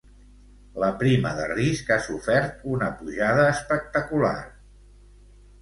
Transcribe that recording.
La prima de risc ha sofert una pujada espectacular.